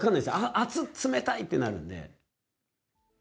熱っ冷たいってなるんで。